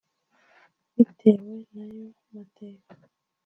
Bitewe n’ayo mateka